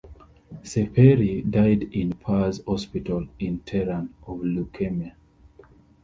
Sepehri died in Pars hospital in Tehran of leukemia.